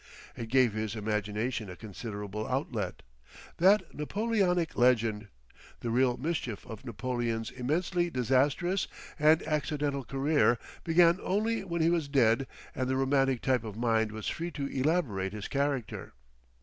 It gave his imagination a considerable outlet. That Napoleonic legend! The real mischief of Napoleon's immensely disastrous and accidental career began only when he was dead and the romantic type of mind was free to elaborate his character.